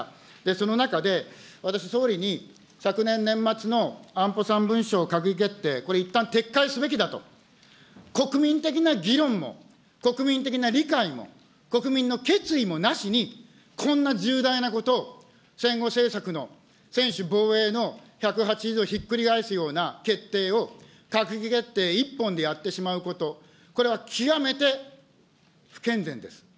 その中で、私、総理に昨年年末の安保３文書閣議決定、これ、いったん撤回すべきだと、国民的な議論も国民的な理解も、国民の決意もなしに、こんな重大なことを戦後政策の専守防衛のをひっくり返すような決定を、閣議決定一本でやってしまうこと、これは極めて不健全です。